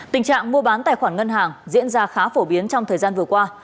tình trạng mua bán tài khoản ngân hàng diễn ra khá phổ biến trong thời gian vừa qua